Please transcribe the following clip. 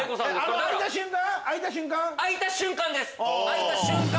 開いた瞬間？